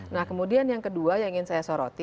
nah kemudian yang kedua yang ingin saya soroti